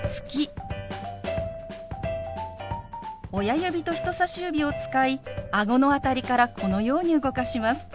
親指と人さし指を使いあごの辺りからこのように動かします。